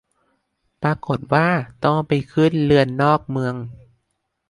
ปรากฎว่าต้องไปขึ้นเรือนอกเมือง